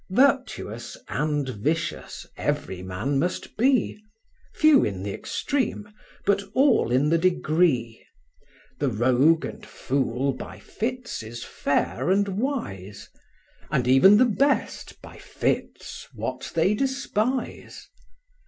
Virtuous and vicious every man must be, Few in th' extreme, but all in the degree, The rogue and fool by fits is fair and wise; And even the best, by fits, what they despise.